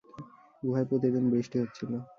গুহায় প্রতিদিন বৃষ্টি হচ্ছিলো।